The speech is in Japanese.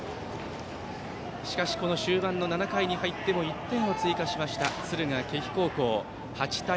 しかしこの終盤の７回になっても１点を追加しました敦賀気比高校、８対３。